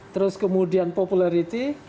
terus kemudian popularity